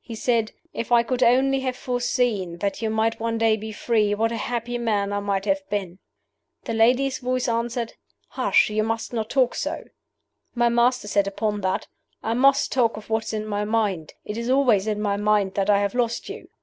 He said, 'If I could only have foreseen that you might one day be free, what a happy man I might have been!' The lady's voice answered, 'Hush! you must not talk so.' My master said upon that, 'I must talk of what is in my mind; it is always in my mind that I have lost you.